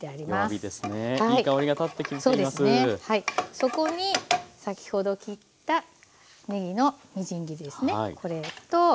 そこに先ほど切ったねぎのみじん切りですねこれと。